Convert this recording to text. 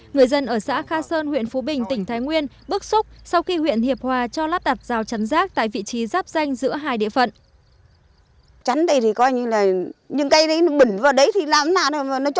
người dân ở xã kha sơn huyện phú bình tỉnh thái nguyên bức xúc sau khi huyện hiệp hòa cho lắp đặt rào chắn rác tại vị trí giáp danh giữa hai địa phận